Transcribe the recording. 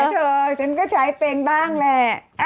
เธอฉันก็ใช้เป็นบ้างแหละ